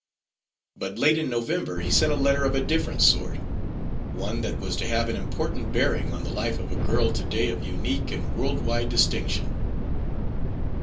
But late in November he sent a letter of a different sort one that was to have an important bearing on the life of a girl today of unique and world wide distinction.